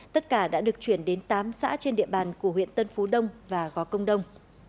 tất cả đã được chuyển đến tám xã trên địa bàn của huyện tân phú đông và gó công đông